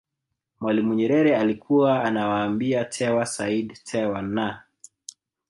Mwalimu Nyerere alikuwa anawaambia Tewa Said Tewa na